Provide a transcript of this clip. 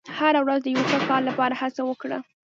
• هره ورځ د یو ښه کار لپاره هڅه وکړه.